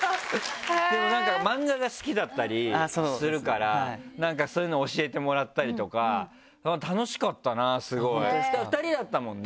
でも漫画が好きだったりするからそういうのを教えてもらったりとか楽しかったなスゴい２人だったもんね